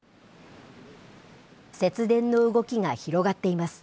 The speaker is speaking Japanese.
節電の動きが広がっています。